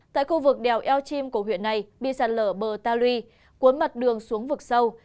tại khu vực đèo eo chim của huyện này bị sạt lở bờ ta lui cuốn mặt đường xuống vực sâu